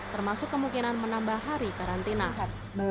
termasuk kemungkinan menambah hari karantina